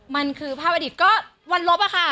มันคือภาพอดีตก็วันลบอะค่ะ